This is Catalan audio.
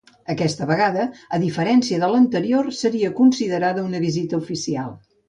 Aquesta vegada, a diferència de l’anterior, seria considerada una visita oficial.